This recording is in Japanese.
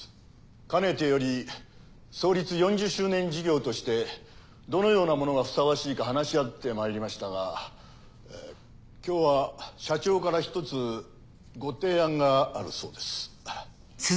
かねてより創立４０周年事業としてどのようなものがふさわしいか話し合ってまいりましたが今日は社長から１つご提案があるそうです。